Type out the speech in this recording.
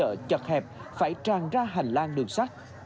hộp chợ chật hẹp phải tràn ra hành lang đường sắt